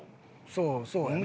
そうそうやな。